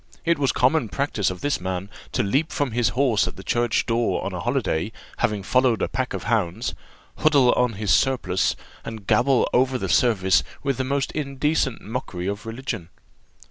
It was the common practice of this man to leap from his horse at the church door on a holiday, after following a pack of hounds, huddle on his surplice, and gabble over the service with the most indecent mockery of religion.